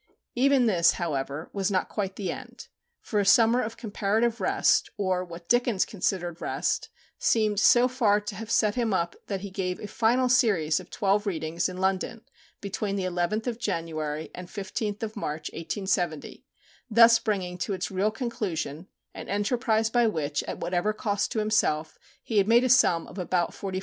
Even this, however, was not quite the end; for a summer of comparative rest, or what Dickens considered rest, seemed so far to have set him up that he gave a final series of twelve readings in London between the 11th of January and 15th of March, 1870, thus bringing to its real conclusion an enterprise by which, at whatever cost to himself, he had made a sum of about £45,000.